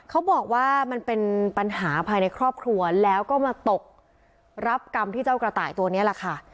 เขาบอกว่ามันเป็นปัญหาภายในครอบครัวแล้วก็มาตกรับกรรมที่เจ้ากระต่ายตัวนี้แหละค่ะ